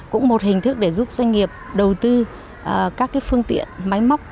cũng một hình thức để giúp doanh nghiệp đầu tư các phương tiện máy móc